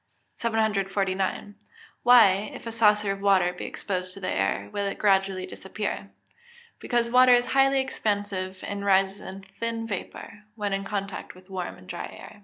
749. Why, if a saucer of water be exposed to the air, will it gradually disappear? Because water is highly expansive, and rises in thin vapour, when in contact with warm and dry air.